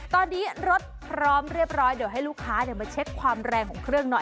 ตอนนี้รถพร้อมเรียบร้อยเดี๋ยวให้ลูกค้ามาเช็คความแรงของเครื่องหน่อย